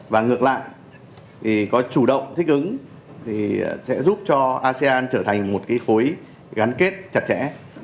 và ngược lại thì có chủ động thích ứng thì sẽ giúp cho asean trở thành một khối gắn kết chặt chẽ